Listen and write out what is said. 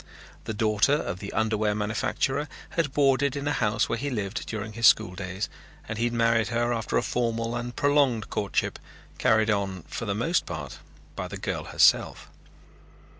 The daughter of the underwear manufacturer had boarded in a house where he lived during his school days and he had married her after a formal and prolonged courtship, carried on for the most part by the girl herself.